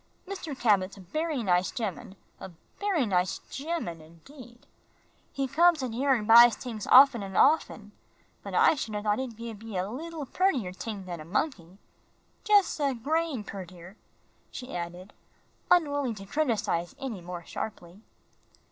"Mr. Cabot's a bery nice gemman a bery nice gemman indeed. He comes in here an' buys tings offen an' offen. But I should a thought he'd gib ye a leetle purtier ting dan a monkey. Jus' a grain purtier," she added, unwilling to criticise any more sharply.